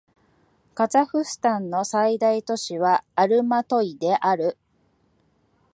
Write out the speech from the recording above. カザフスタンの最大都市はアルマトイである